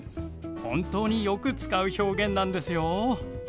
本当によく使う表現なんですよ。